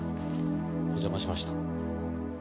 お邪魔しました。